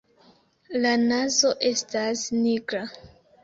La nazo estas nigra.